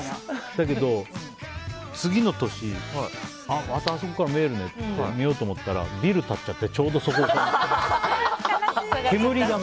だけど、次の年またあそこから見えるねって、見ようと思ったらビル建っちゃってちょうどそこから。